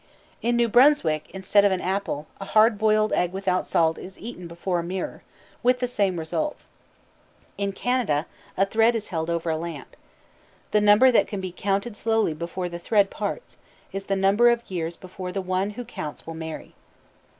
In New Brunswick, instead of an apple, a hard boiled egg without salt is eaten before a mirror, with the same result. In Canada a thread is held over a lamp. The number that can be counted slowly before the thread parts, is the number of years before the one who counts will marry.